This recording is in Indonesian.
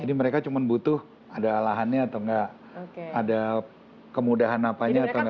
jadi mereka cuma butuh ada alahannya atau nggak ada kemudahan apanya atau nggak